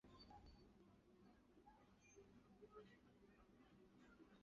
有一个方正整齐的庙区基地。